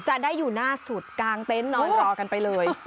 จะได้อยู่หน้าสุดกลางเต็นต์นอนรอกันไปเลย